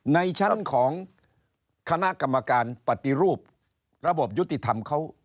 ในชั้นของคณะกรรมการปฏิรูประบบยุติธรรมเขา